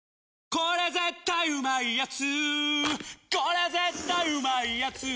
これ絶対うまいやつ」